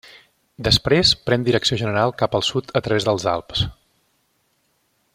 Després pren direcció general cap al sud a través dels Alps.